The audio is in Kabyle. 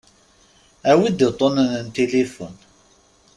Awi-d uṭṭunen n tilifun.